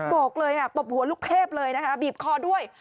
บอกเลยตบหัวลูกเทพเลยนะคะบีบคอด้วย